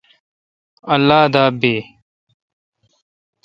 اللہ دا بی۔